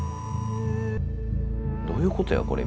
どういうことやこれ？